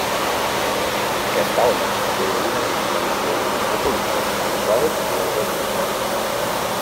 Aquesta alga té una distribució cosmopolita en sòls i aigua dolça.